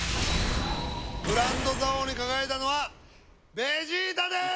グランド座王に輝いたのはベジータです。